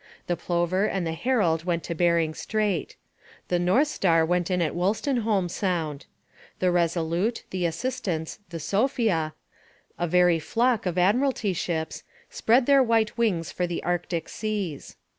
The Plover and the Herald went to Bering Strait. The North Star went in at Wolstenholme Sound. The Resolute, the Assistance, the Sophia a very flock of admiralty ships spread their white wings for the Arctic seas.